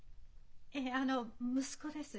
ええあの息子です。